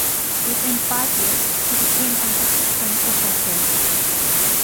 Within five years he became an Assistant Professor.